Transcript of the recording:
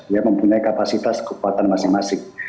ya mempunyai kapasitas kekuatan masing masing